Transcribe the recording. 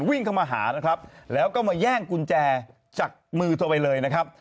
วิ่งเข้ามาหานะครับแล้วก็มาแย่งกุญแจจากมือเธอไปเลยนะครับ